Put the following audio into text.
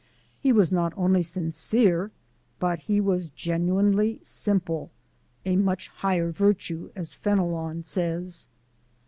He was not only sincere, but he was genuinely simple a much higher virtue, as Fenelon says.